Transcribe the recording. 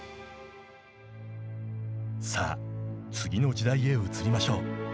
さあ次の時代へ移りましょう。